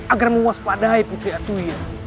agar menguas padai putri atuya